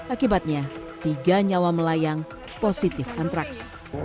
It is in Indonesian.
akibatnya tiga nyawa melayang positif antraks